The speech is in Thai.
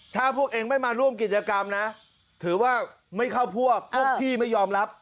ถ้าพวกเองไม่มาร่วมกิจกรรมนะถือว่าไม่เข้าพวกพวกพี่ไม่ยอมรับ